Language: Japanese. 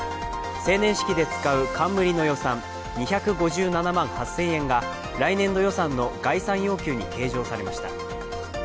成年式で使う冠の予算２５７万８０００円が来年度予算の概算要求に計上されました。